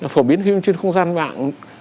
phổ biến phim trên không gian mạng